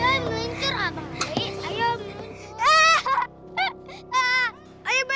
ya tetep gua rio elok elok butuhnya